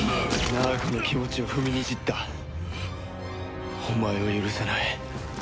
ナーゴの気持ちを踏みにじったお前を許さない。